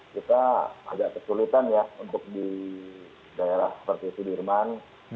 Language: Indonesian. kita agak kesulitan ya untuk di daerah seperti itu di irman